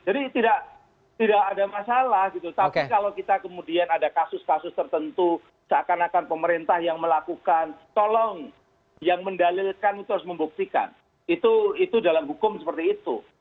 jadi tidak ada masalah gitu tapi kalau kita kemudian ada kasus kasus tertentu seakan akan pemerintah yang melakukan tolong yang mendalilkan itu harus membuktikan itu dalam hukum seperti itu